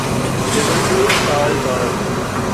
Liverpool سال بعد